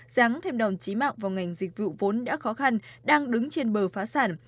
giáng thêm đồng trí mạng vào ngành dịch vụ vốn đã khó khăn đang đứng trên bờ phá sản